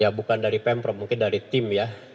ya bukan dari pemprov mungkin dari tim ya